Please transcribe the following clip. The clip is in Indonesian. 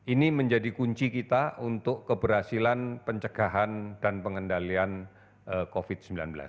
ini menjadi kunci kita untuk keberhasilan pencegahan dan pengendalian covid sembilan belas